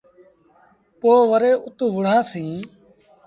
پو وري اُت وُهڙآسيٚݩ۔